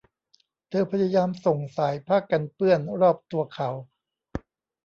เธอพยายามส่งสายผ้ากันเปื้อนรอบตัวเขา